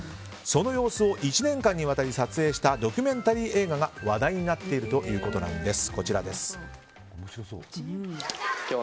その様子を１年間にわたり撮影したドキュメンタリー映画が話題になっているということです。